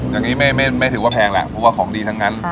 อย่างนี้ไม่ถือว่าแพงแหละเพราะว่าของดีทั้งนั้น